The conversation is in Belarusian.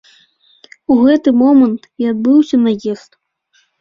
У гэты момант і адбыўся наезд.